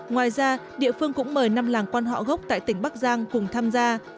ngoài ra địa phương cũng mời năm làng quan họ gốc tại tỉnh bắc giang cùng tham gia